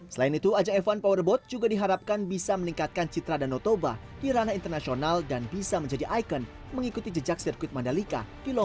selain itu ajang f satu powerboat juga diharapkan bisa meningkatkan citra danau toba di ranah internasional dan bisa menjadi ikon mengikuti jejak sirkuit mandalika